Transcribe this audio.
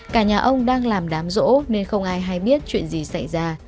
cả nhà ông đang làm đám rỗ nên không ai hay biết chuyện gì xảy ra